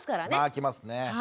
あ来ますね。